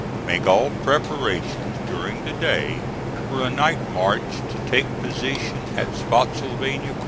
Make all preparations during the day for a night march to take position at Spottsylvania C.